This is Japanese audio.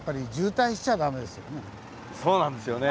そうなんですよね！